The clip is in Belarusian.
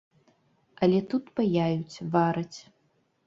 Але тут паяюць, вараць.